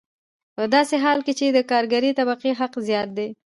په داسې حال کې چې د کارګرې طبقې حق زیات دی